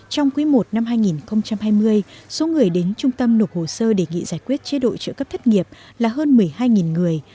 trong quý i năm hai nghìn hai mươi số người đến trung tâm nộp hồ sơ đề nghị giải quyết chế độ trợ cấp thất nghiệp là hơn một mươi hai người